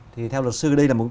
thì theo luật sư đây là một